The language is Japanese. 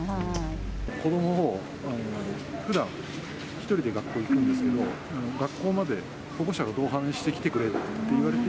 子どももふだん１人で学校に行くんですけれど、学校まで保護者が同伴してきてくれって言われて。